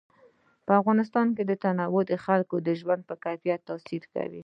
په افغانستان کې تنوع د خلکو د ژوند په کیفیت تاثیر کوي.